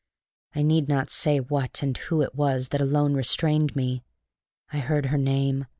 I need not say what and who it was that alone restrained me. I heard her name.